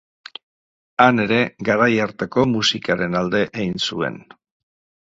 Han ere garai hartako musikaren alde egin zuen.